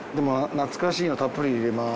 懐かしいのたっぷり入れます。